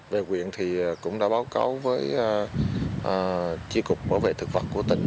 về quyền thì cũng đã báo cáo với tri cục bảo vệ thực vật của tỉnh